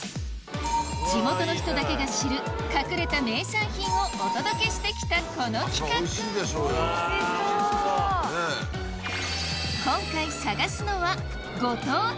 地元の人だけが知る隠れた名産品をお届けしてきたこの企画おいしそう！